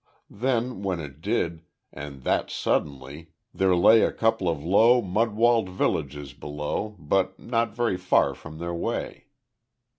Then, when it did, and that suddenly, there lay a couple of low, mud walled villages, below, but not very far from their way.